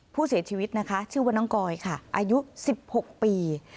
ผู้เสียชีวิตนะคะชื่อว่าน้องกอยค่ะอายุ๑๖ปี